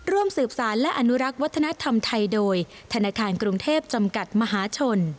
ร่วมสืบสารและอนุรักษ์วัฒนธรรมไทยโดยธนาคารกรุงเทพจำกัดมหาชน